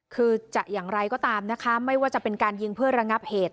คือจะอย่างไรก็ตามนะคะไม่ว่าจะเป็นการยิงเพื่อระงับเหตุ